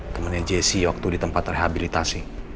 temennya jesse waktu di tempat rehabilitasi